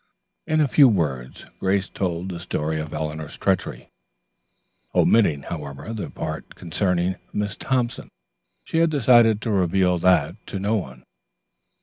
In a few words Grace told the story of Eleanor's treachery, omitting, however, the part concerning Miss Thompson. She had decided to reveal that to no one.